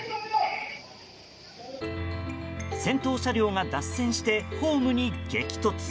先頭車両が脱線してホームに激突。